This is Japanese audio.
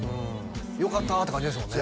よかったって感じですもんね